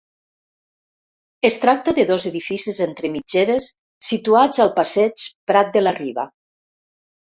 Es tracta de dos edificis entre mitgeres situats al passeig Prat de la Riba.